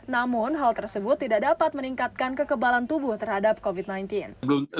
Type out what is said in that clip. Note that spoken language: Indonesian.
namun hal tersebut tidak dapat meningkatkan kekebalan tubuh terhadap covid sembilan belas